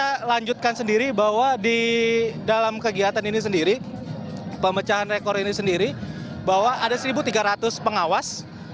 kita lanjutkan sendiri bahwa di dalam kegiatan ini sendiri pemecahan rekor ini sendiri bahwa ada satu tiga ratus pengawas